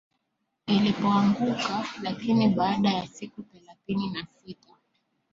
ilipoanguka Lakini baada ya siku thelathini na sita